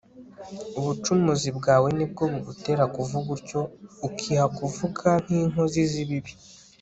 ubucumuzi bwawe ni bwo bugutera kuvuga utyo, ukiha kuvuga nk'inkozi z'ibibi